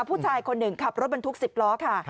ผู้ชายคนหนึ่งขับรถบรรทุก๑๐ล้อค่ะ